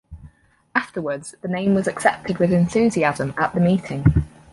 Afterwards the name was accepted with enthusiasm at the meeting.